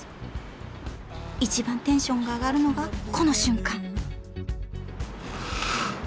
一番テンションが上がるのがこの瞬間！